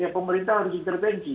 ya pemerintah harus intervensi